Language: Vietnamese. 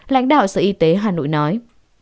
lãnh đạo sở y tế hà nội nói